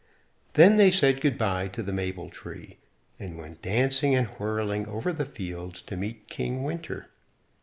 Then they said good by to the Maple tree, and went dancing and whirling over the fields to meet King Winter.